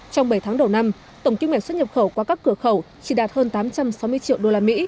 trong bảy tháng đầu năm tổng kinh mạch xuất nhập khẩu qua các cửa khẩu chỉ đạt hơn tám trăm sáu mươi triệu usd